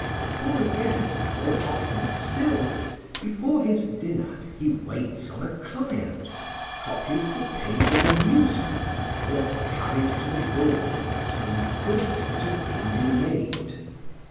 Or, again, more often still, before his dinner he waits on a client, copies the page of a newspaper, or carries to the doorkeeper some goods that have been delayed.